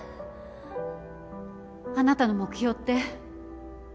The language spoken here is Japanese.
あなたの目標って？